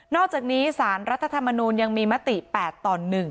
อกจากนี้สารรัฐธรรมนูลยังมีมติ๘ต่อ๑